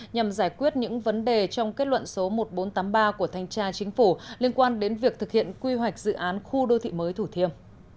nhằm giải quyết những vấn đề trong kết luận số một nghìn bốn trăm tám mươi ba của thanh tra chính phủ liên quan đến việc thực hiện quy hoạch dự án khu đô thị mới thủ thiêm